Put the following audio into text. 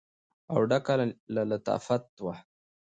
او ډکه له لطافت وه.